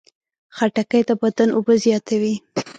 خټکی د بدن اوبه زیاتوي.